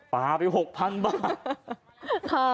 ปลาไป๖๐๐๐บาท